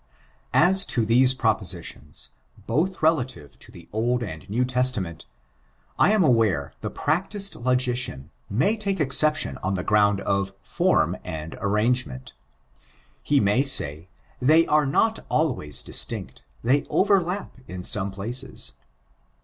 As to these propositions, both relative to the Old and New Testaments, I am aware the practiced logician may take exception on the ground of form and arrangement : he may say, they are not always distinct — they overlap in some places.